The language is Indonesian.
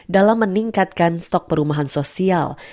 dalam meningkatkan stok perumahan sosial